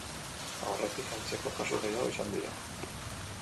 Aurretik antzeko kasu gehiago izan dira.